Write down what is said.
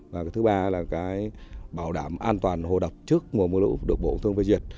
và thứ ba là bảo đảm an toàn hồ đập trước mùa mưa lũ được bộ thương phê duyệt